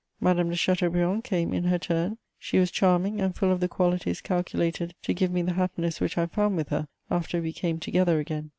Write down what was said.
Madame de Chateaubriand came in her turn: she was charming, and full of the qualities calculated to give me the happiness which I found with her after we came together again.